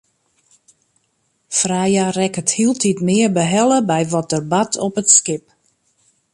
Freya rekket hieltyd mear behelle by wat der bart op it skip.